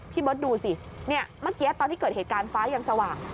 เบิร์ตดูสิเมื่อกี้ตอนที่เกิดเหตุการณ์ฟ้ายังสว่าง